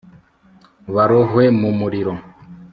barohwe mu muriro